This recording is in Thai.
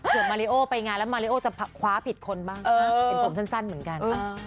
มาริโอไปงานแล้วมาริโอจะคว้าผิดคนบ้างเป็นผมสั้นเหมือนกัน